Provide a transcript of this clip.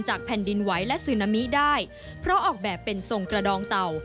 แผ่นดินไหวและซึนามิได้เพราะออกแบบเป็นทรงกระดองเต่า